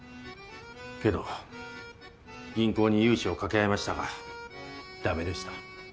けど銀行に融資を掛け合いましたがダメでした。